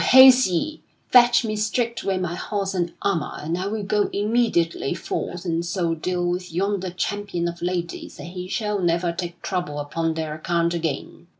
Haste ye! Fetch me straightway my horse and armor and I will go immediately forth and so deal with yonder champion of ladies that he shall never take trouble upon their account again."